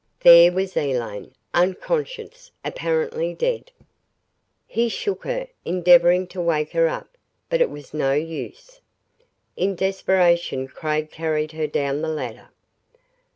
There was Elaine, unconscious, apparently dead. He shook her, endeavoring to wake her up. But it was no use. In desperation Craig carried her down the ladder.